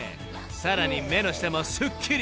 ［さらに目の下もすっきりしたみたい］